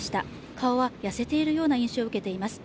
顔は痩せているような印象を受けています。